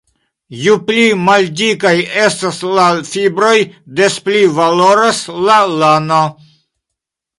Ju pli maldikaj estas la fibroj, des pli valoras la lano.